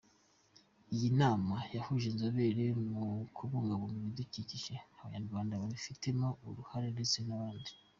Iyi nama yahuje inzobere mu kubungabunga ibidukikije, Abanyarwanda babifitemo uruhare ndetse n’abandi.